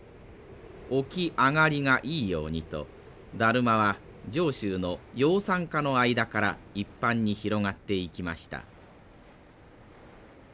「おきあがり」がいいようにとだるまは上州の養蚕家の間から一般に広がっていきました。